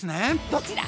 どちら！